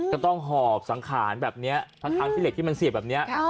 ต้องหอบสังขารแบบนี้ทั้งที่เหล็กที่มันเสียบแบบนี้